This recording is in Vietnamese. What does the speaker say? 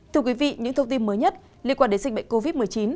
thưa quý vị những thông tin mới nhất liên quan đến dịch bệnh covid một mươi chín